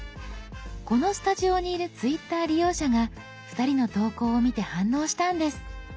このスタジオにいるＴｗｉｔｔｅｒ利用者が２人の投稿を見て反応したんです。